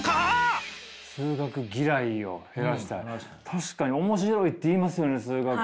確かに面白いっていいますよね数学。